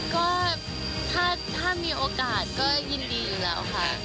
ก็ถ้ามีโอกาสก็ยินดีอยู่แล้วค่ะ